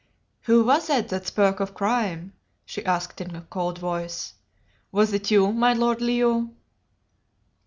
"Who was it that spoke of crime?" she asked in a cold voice. "Was it you, my lord Leo?"